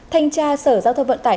thanh tra sở giao thông vận tải